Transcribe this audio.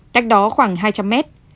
cách đó khoảng hai trăm linh mét